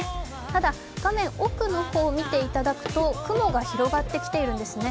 ただ、画面奥の方を見ていただくと雲が広がってきているんですね。